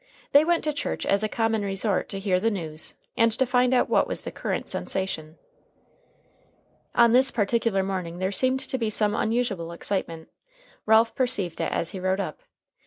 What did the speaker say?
They went to church as a common resort to hear the news, and to find out what was the current sensation. On this particular morning there seemed to be some unusual excitement. Ralph perceived it as he rode up.